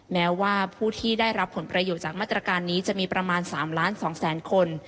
แม้ว่าผู้ที่ได้รับผลประโยชน์จากมาตรการนี้จะมีประมาณ๓ล้าน๒แสนคน